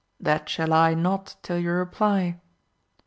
— That shall I not till you reply.